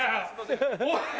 おい！